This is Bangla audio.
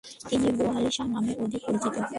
তিনি বু আলী শাহ নামেই অধিক পরিচিত।